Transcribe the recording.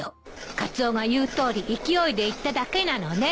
カツオが言うとおり勢いで言っただけなのね。